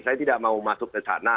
saya tidak mau masuk ke sana